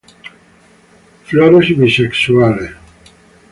Flores bisexuales.